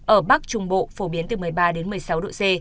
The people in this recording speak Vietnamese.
ở bắc trung bộ phổ biến từ một mươi ba đến một mươi sáu độ c